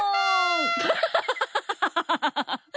ハハハハハ！